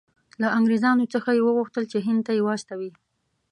له انګریزانو څخه یې وغوښتل چې هند ته یې واستوي.